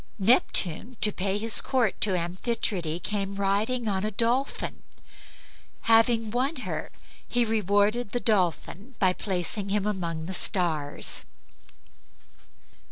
Neptune, to pay his court to Amphitrite, came riding on a dolphin. Having won her he rewarded the dolphin by placing him among the stars.